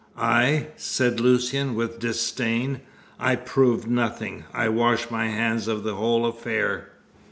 "I?" said Lucian, with disdain. "I prove nothing. I wash my hands of the whole affair.